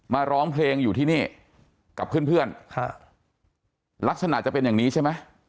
ร้องเพลงอยู่ที่นี่กับเพื่อนเพื่อนลักษณะจะเป็นอย่างนี้ใช่ไหม